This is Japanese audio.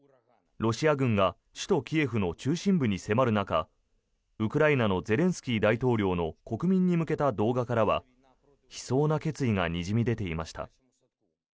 ロシア軍が首都キエフの中心部に迫る中ウクライナのゼレンスキー大統領の国民に向けた動画からは悲壮な決意がにじみ出ていました。